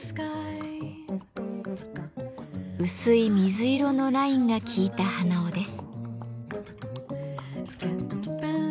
薄い水色のラインが効いた鼻緒です。